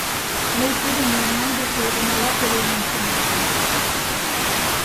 Мый тудым мемнан деке унала пеленем кондышым.